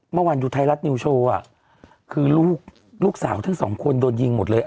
เมื่อวานดูไทยรัฐนิวโชว์คือลูกลูกสาวทั้งสองคนโดนยิงหมดเลย